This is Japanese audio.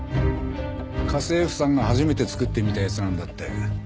家政婦さんが初めて作ってみたやつなんだって。